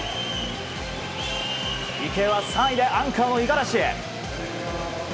池江は３位でアンカーの五十嵐へ。